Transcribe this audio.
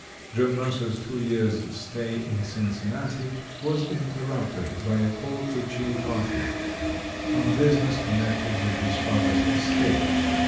John Mercer's two years' stay in Cincinnati was interrupted by a call to Chillicothe, on busi ness connected with his father's estate.